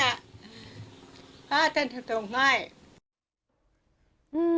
พาจะส่งให้